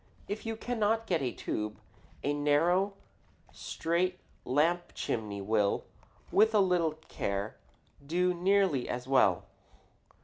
If you cannot get a tube, a narrow, straight lamp chimney will, with a little care, do nearly as well.